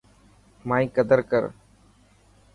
مائي قدر ڪر.